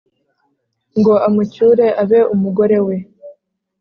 ngo amucyure abe umugore we.